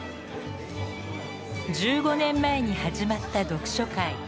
１５年前に始まった読書会。